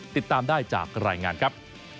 ติดตามได้จากรายงานครับ